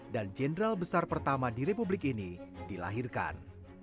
dan jenderal besar pertama di republik ini dilahirkan